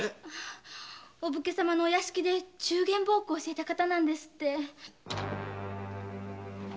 お武家様のお屋敷で中間奉公してた方なんですって。